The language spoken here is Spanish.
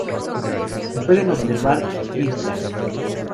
Se pueden observar pircas.